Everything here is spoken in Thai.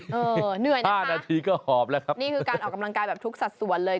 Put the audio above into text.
เออเหนื่อยนะคะนี่คือการออกกำลังกายแบบทุกสัตว์ส่วนเลย